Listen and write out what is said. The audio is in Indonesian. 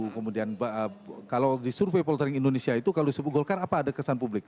kemudian kalau di survei poltering indonesia itu kalau disebut golkar apa ada kesan publik